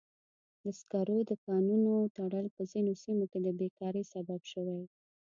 د سکرو د کانونو تړل په ځینو سیمو کې د بیکارۍ سبب شوی.